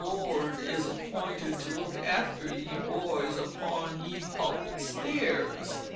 Lord is appointed to look after ye boys upon ye pulpitt stairs."